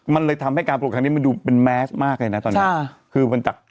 มันเลยทำให้การโปรดครั้งนี้มันดูเป็นมาสมากเลยณตอนนี้คือมันจัก